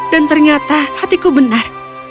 dan ternyata hatiku benar